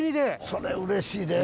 それうれしいで。